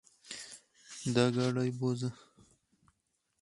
دا ګاډې بوځه.